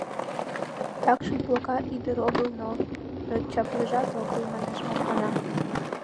— Такшым плока ӱдыр огыл, но... но чаплыжат огыл, — манеш Матрана.